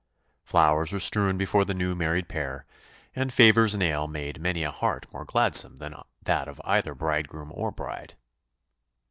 Flowers were strewn before the new married pair, and favours and ale made many a heart more gladsome than that of either bridegroom or bride.